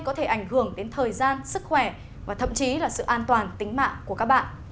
có thể ảnh hưởng đến thời gian sức khỏe và thậm chí là sự an toàn tính mạng của các bạn